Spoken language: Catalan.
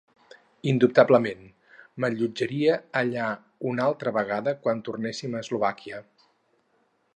Indubtablement, m'allotjaria allà una altra vegada quan tornéssim a Eslovàquia.